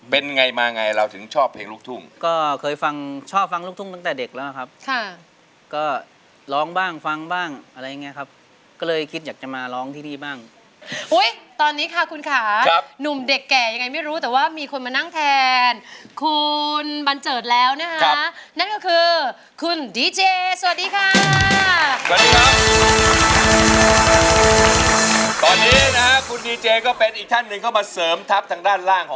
เป็นไงมาไงเราถึงชอบเพลงลูกทุ่งก็เคยฟังชอบฟังลูกทุ่งตั้งแต่เด็กแล้วครับค่ะก็ร้องบ้างฟังบ้างอะไรอย่างเงี้ยครับก็เลยคิดอยากจะมาร้องที่นี่บ้างอุ้ยตอนนี้ค่ะคุณค่ะครับหนุ่มเด็กแก่ยังไงไม่รู้แต่ว่ามีคนมานั่งแทนคุณบันเจิดแล้วนะคะนั่นก็คือคุณดีเจสวัสดีค่ะสวัสดีครับ